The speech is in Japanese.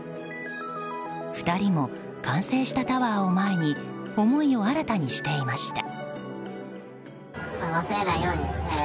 ２人も完成したタワーを前に思いを新たにしていました。